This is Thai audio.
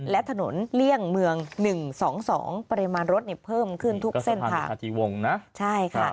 และถนนเลี่ยงเมือง๑๒๒ประมาณรถเนี่ยเพิ่มขึ้นทุกเส้นค่ะ